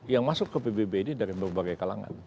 yang masuk ke pbb ini dari berbagai kalangan